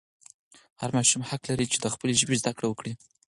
هر ماشوم حق لري چې د خپلې ژبې زده کړه وکړي.